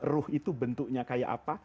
ruh itu bentuknya kayak apa